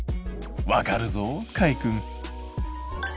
わかるぞかいくん。